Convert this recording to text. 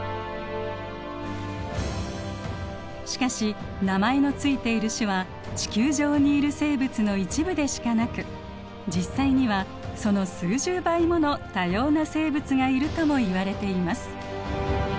しかし名前の付いている種は地球上にいる生物の一部でしかなく実際にはその数十倍もの多様な生物がいるともいわれています。